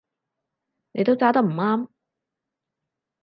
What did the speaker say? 你都揸得唔啱